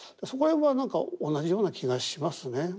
そこら辺は何か同じような気がしますね。